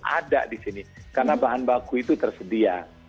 ada di sini karena bahan baku itu tersedia